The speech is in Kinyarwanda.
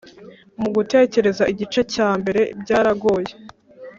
Mu Gutegeka igice cya mbere byaragoye